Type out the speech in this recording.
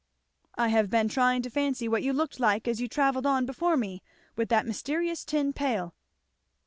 "I have been trying to fancy what you looked like as you travelled on before me with that mysterious tin pail."